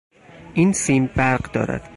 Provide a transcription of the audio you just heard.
این سیم برق دارد.